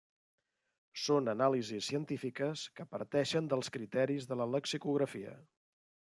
Són anàlisis científiques que parteixen dels criteris de la lexicografia.